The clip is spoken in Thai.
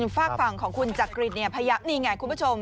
ฝากฝั่งของคุณจักริตพยายามนี่ไงคุณผู้ชม